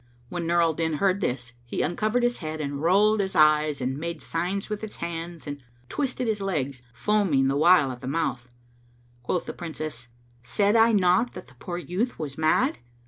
When Nur al Din heard this, he uncovered his head and rolled his eyes and made signs with his hands and twisted his legs, foaming the while at the mouth. Quoth the Princess, "Said I not that the poor youth was mad?